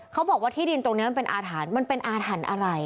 เขาบอกว่าที่ดินตรงนี้มันเป็นอาถรรพ์มันเป็นอาถรรพ์อะไร